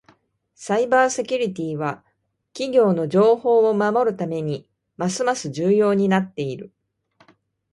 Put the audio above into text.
サイバーセキュリティは企業の情報を守るためにますます重要になっている。